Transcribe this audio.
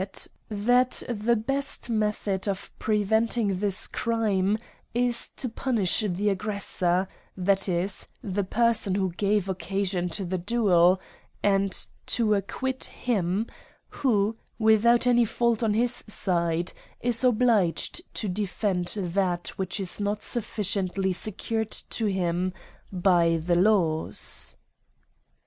that the best method of preventing this crime is to punish the aggressor, that is, the person who gave occasion to the duel, and to acquit him who, with out any fault on his side, is obliged to defend that which is not sufficiently secured to him by the laws.